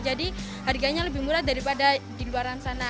jadi harganya lebih murah daripada di luar sana